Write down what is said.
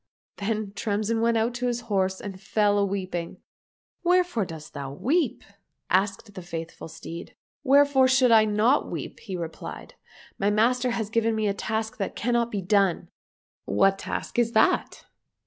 — Then Tremsin went out to his horse and fell a weeping. —" Wherefore dost thou weep ?" asked the faithful steed. —" Wherefore should I not weep ?" he replied. " My master has given me a task that cannot be done."—" What task is that